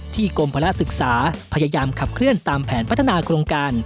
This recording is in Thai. กรมภาระศึกษาพยายามขับเคลื่อนตามแผนพัฒนาโครงการ